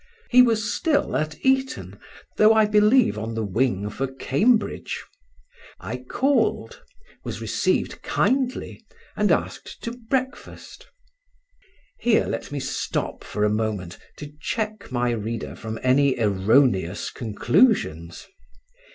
He was still at Eton, though I believe on the wing for Cambridge. I called, was received kindly, and asked to breakfast. Here let me stop for a moment to check my reader from any erroneous conclusions.